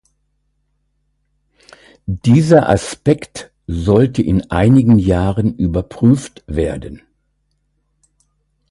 Dieser Aspekt sollte in einigen Jahren überprüft werden.